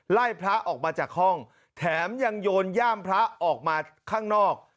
พระออกมาจากห้องแถมยังโยนย่ามพระออกมาข้างนอก